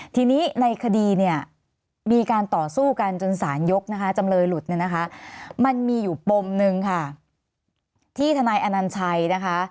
ทีนี้ในคดีเนี่ยมีการต่อสู้กันจนสารยกนะคะจำเลยหลุดเนี่ยนะคะมันมีอยู่ปมนึงค่ะที่ทนายอนัญชัยนะคะ